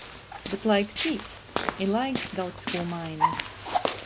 Bet laiks īt, i laiks daudz kū maina.